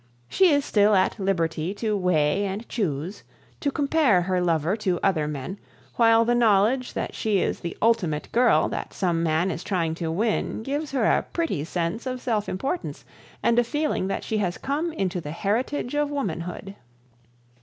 She is still at liberty to weigh and choose, to compare her lover to other men, while the knowledge that she is the ultimate girl that some man is trying to win gives her a pretty sense of self importance and a feeling that she has come into the heritage of womanhood.